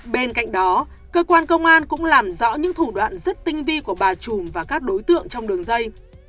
bên cạnh đó cơ quan công an cũng làm rõ những thủ đoạn rất tinh vi của bà trùm và các đối tượng trong đường dây